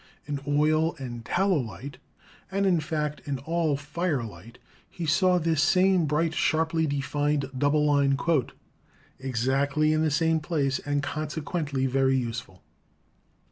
In oil and tallow light, and in fact in all firelight, he saw this same bright, sharply defined double line "exactly in the same place and consequently very useful."